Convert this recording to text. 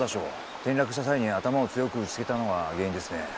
転落した際に頭を強く打ちつけたのが原因ですね。